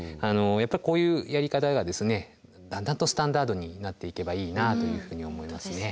やっぱりこういうやり方がだんだんとスタンダードになっていけばいいなというふうに思います。